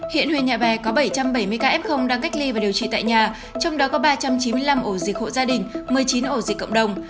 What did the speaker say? hiện huyện nhà bè có bảy trăm bảy mươi ca f đang cách ly và điều trị tại nhà trong đó có ba trăm chín mươi năm ổ dịch hộ gia đình một mươi chín ổ dịch cộng đồng